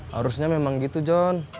harusnya memang gitu jon